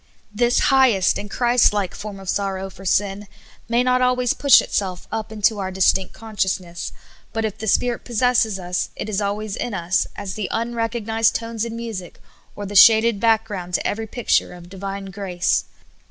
This highest and Christ like form of sorrow for sin may not always push itself up into our distinct conscious ness, but if the Spirit possesses us, it is always in us as the unrecognized tones in music, or the shaded back ground to ever} picture of Divine grace.